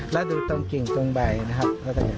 แล้วดูตรงกิ่งตรงใบนะครับ